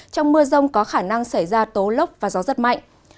trong mưa rông có khả năng xảy ra tố lốc và gió rất mạnh